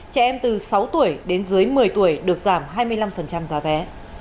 trẻ em từ sáu tuổi đến dưới một mươi tuổi được giảm hai mươi năm giá vé